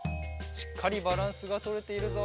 しっかりバランスがとれているぞ。